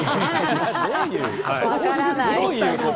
どういうこと？